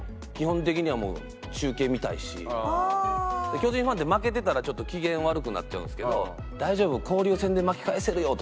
巨人ファンって負けてたらちょっと機嫌悪くなっちゃうんですけど「大丈夫交流戦で巻き返せるよ」とかって言ってくれたら。